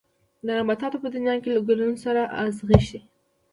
د نباتاتو په دنيا کې له ګلونو سره ازغي شته.